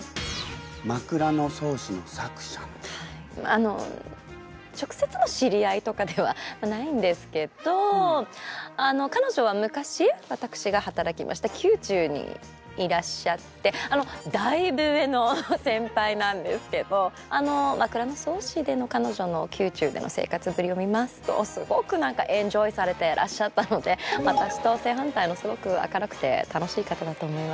あのちょくせつの知り合いとかではないんですけどかのじょは昔私が働きました宮中にいらっしゃってあのだいぶ上の先輩なんですけどあの「枕草子」でのかのじょの宮中での生活ぶりを見ますとすごく何かエンジョイされていらっしゃったので私と正反対のすごく明るくて楽しい方だと思いますよはい。